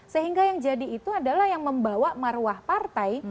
sehingga yang jadi itu adalah yang membawa marwah partai